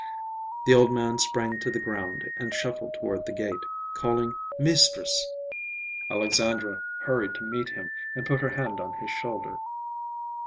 The old man sprang to the ground and shuffled toward the gate calling, "Mistress, mistress!" Alexandra hurried to meet him and put her hand on his shoulder.